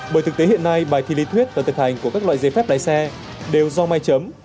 bởi thực tế hiện nay bài thi lý thuyết và thực hành của các loại giấy phép lái xe đều do mai chấm